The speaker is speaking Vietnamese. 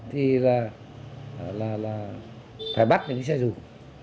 thì là phải bắt những cái xe rùi